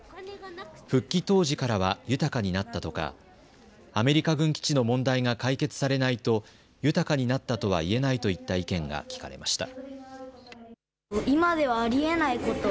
復帰当時からは豊かになったとかアメリカ軍基地の問題が解決されないと豊かになったとは言えないといった意見が聞かれました。